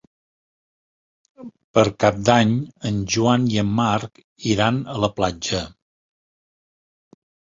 Per Cap d'Any en Joan i en Marc iran a la platja.